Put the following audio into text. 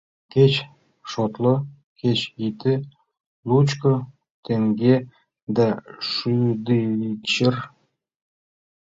— Кеч шотло, кеч ите — лучко теҥге да шӱдывичыр!